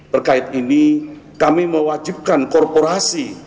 terkait ini kami mewajibkan korporasi